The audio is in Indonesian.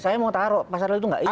saya mau taruh pasalnya itu nggak ada